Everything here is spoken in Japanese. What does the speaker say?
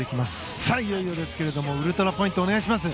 さあ、いよいよですけどもウルトラポイントお願いします。